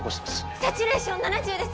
サチュレーション７０です